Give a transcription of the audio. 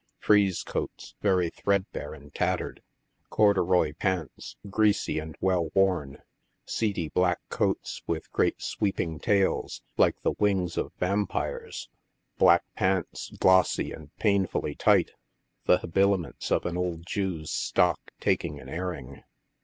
I rieze coats, very threadbare and tat tered ; corduroy pants, greasy and well worn ; seedy black coats, with great sweeping tails like the wings of vampyres ; black pants, glossy and painfully tight — the habiliments of an old Jew's stock iaking an airing.